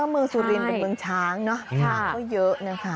เมืองสุรินเป็นเมืองช้างเนอะช้างก็เยอะนะคะ